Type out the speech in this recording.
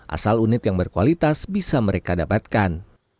asal unit yang berkualitas bisa mereka dapatkan